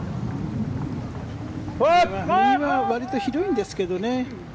右はわりと広いんですけどね。